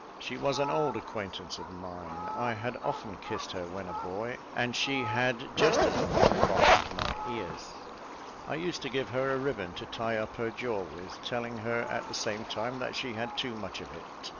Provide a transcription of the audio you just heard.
She was an old acquaintance of mine; I had often kissed her when a boy, and she had just as often boxed my ears. I used to give her a ribbon to tie up her jaw with, telling her at the same time that she had too much of it.